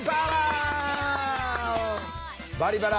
「バリバラ」